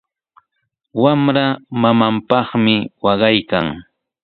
Wamra mamanpaqmi waqaykan.